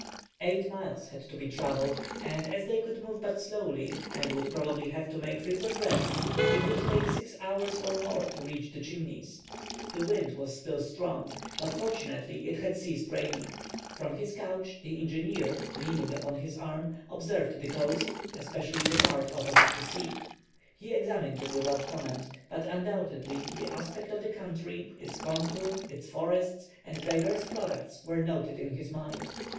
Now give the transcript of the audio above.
Eight miles had to be travelled, and as they could move but slowly, and would probably have to make frequent rests, it would take six hours or more to reach the Chimneys. The wind was still strong, but, fortunately, it had ceased raining. From his couch, the engineer, leaning upon his arm, observed the coast, especially the part opposite the sea. He examined it without comment, but undoubtedly the aspect of the country, its contour, its forests and diverse products were noted in his mind.